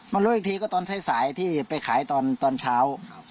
รู้อีกทีก็ตอนสายที่ไปขายตอนเช้า